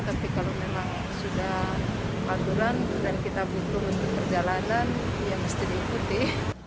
tapi kalau memang sudah aturan dan kita butuh untuk perjalanan ya mesti diikuti